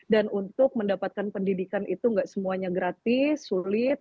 dan untuk mendapatkan pendidikan itu tidak semuanya gratis sulit